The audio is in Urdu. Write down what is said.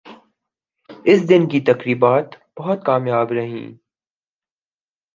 اس دن کی تقریبات بہت کامیاب رہیں ۔